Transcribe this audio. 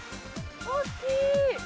大っきい！